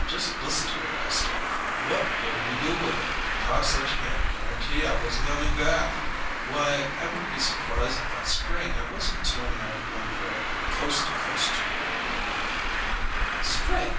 Just listen to her, Esther! What will we do with her? Talks like she had a guarantee I wasn't coming back. Why, I wouldn't be surprised if by spring I wasn't tuning up again for a coast to coast tour " "Spring!